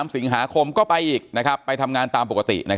๓สิงหาคมก็ไปอีกไปทำงานตามปกติ